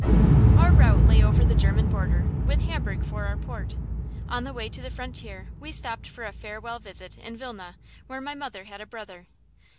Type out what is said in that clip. Our route lay over the German border, with Hamburg for our port. On the way to the frontier we stopped for a farewell visit in Vilna, where my mother had a brother.